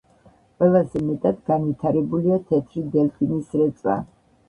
ყველაზე მეტად განვითარებულია თეთრი დელფინის რეწვა.